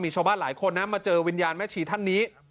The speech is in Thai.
ชาวบ้านหลายคนนะมาเจอวิญญาณแม่ชีท่านนี้